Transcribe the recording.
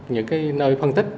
những cái nơi phân tích